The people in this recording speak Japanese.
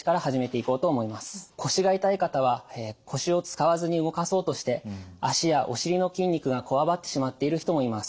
腰が痛い方は腰を使わずに動かそうとして脚やお尻の筋肉がこわばってしまっている人もいます。